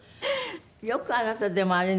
よくあなたでもあれね。